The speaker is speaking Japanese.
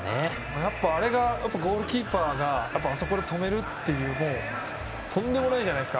やっぱりあそこでゴールキーパーが止めるというのはとんでもないじゃないですか。